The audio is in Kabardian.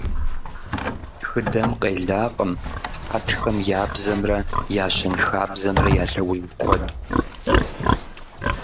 Тхыдэм къелакъым хьэтхэм я бзэмрэ я щэнхабзэмрэ я лъэужь куэд.